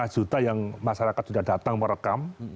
lima juta yang masyarakat sudah datang merekam